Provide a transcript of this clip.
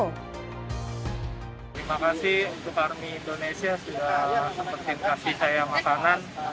terima kasih untuk armi indonesia sudah memberikan kasih saya makanan